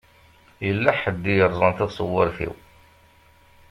Yella ḥedd i yeṛẓan taṣewaṛt-iw.